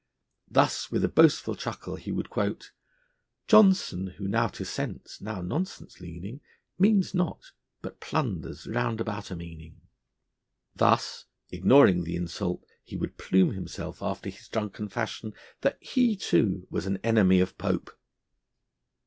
Thus with a boastful chuckle he would quote: Johnson, who now to sense, now nonsense leaning, Means not, but blunders round about a meaning Thus, ignoring the insult, he would plume himself after his drunken fashion that he, too, was an enemy of Pope.